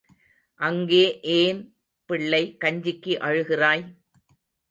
அங்கே ஏன் பிள்ளே கஞ்சிக்கு அழுகிறாய்?